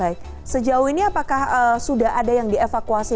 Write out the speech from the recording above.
baik sejauh ini apakah sudah ada yang dievakuasi